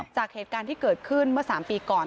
จากเหตุการณ์ที่เกิดขึ้นเมื่อ๓ปีก่อน